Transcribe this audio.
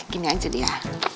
gini aja dia